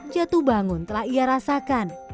jatuh bangun telah ia rasakan